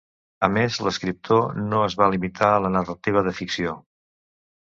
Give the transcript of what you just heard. A més, l'escriptor no es va limitar a la narrativa de ficció.